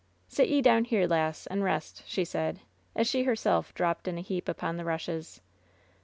"Sit ye down here, lass, and rest," she said, as she her self dropped in a heap upon the rushes.